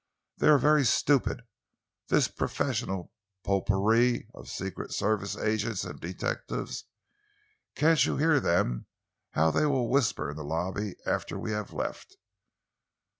They are very stupid, this professional potpourri of secret service agents and detectives. Can't you hear them, how they will whisper in the lobby after we have left?